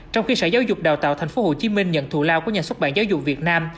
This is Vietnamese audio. trong khi sở giáo dục đào tạo tp hcm nhận thù lao của nhà xuất bản giáo dục việt nam